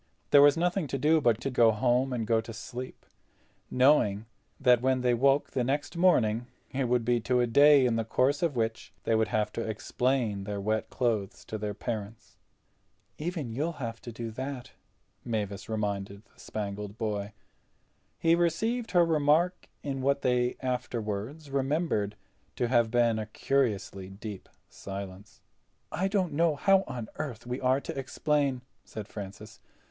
There was nothing to do but to go home, and go to sleep, knowing that when they woke the next morning it would be to a day in the course of which they would have to explain their wet clothes to their parents. "Even you'll have to do that," Mavis reminded the Spangled Boy. He received her remark in what they afterward remembered to have been a curiously deep silence. "I don't know how on earth we are to explain," said Francis.